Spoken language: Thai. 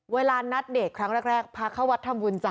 เวลานัดเดทครั้งแรกพาเข้าวัดทำบุญจ้